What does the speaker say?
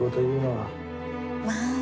まあ。